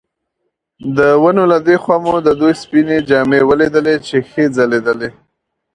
د ونو له دې خوا مو د دوی سپینې جامې ولیدلې چې ښې ځلېدې.